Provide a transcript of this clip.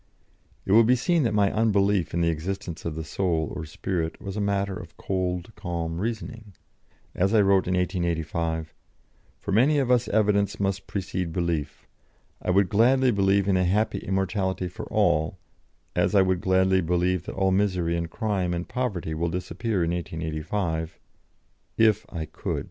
" It will be seen that my unbelief in the existence of the Soul or Spirit was a matter of cold, calm reasoning. As I wrote in 1885: "For many of us evidence must precede belief. I would gladly believe in a happy immortality for all, as I would gladly believe that all misery and crime and poverty will disappear in 1885 if I could.